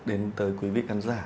đến tới quý vị khán giả